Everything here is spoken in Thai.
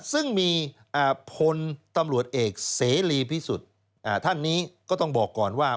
ซึ่งมีพลตำรวจเอกเสรีพิสุทธิ์ท่านนี้ก็ต้องบอกก่อนว่า